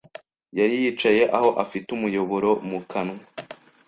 Yari yicaye aho afite umuyoboro mu kanwa.